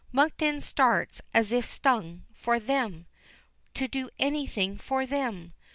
Monkton starts as if stung. For them. To do anything for them.